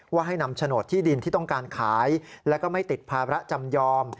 ให้นำโฉนดที่ดินที่ต้องการขายแล้วก็ไม่ติดภาระจำยอม